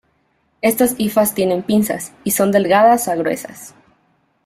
Estas hifas tienen pinzas, y son delgadas a gruesas.